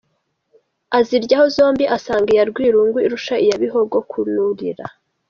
Aziryaho zombi asanga iya Rwirungu irusha iya Bihogo kunurira.